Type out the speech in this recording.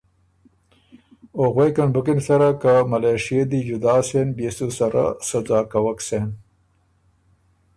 او غوېکن بُکِن سره که ملېشئے دی جدا سېن بيې سُو سره سۀ ځاک کوَک سېن۔